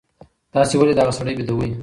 تاسي ولي دغه سړی بېداوئ؟